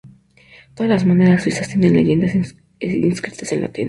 Todas las monedas suizas tienen las leyendas inscritas en latín.